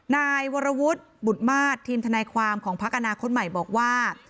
นายวรวุฒิบุตรมาสทีมทนายความของพักอนาคตใหม่บอกว่า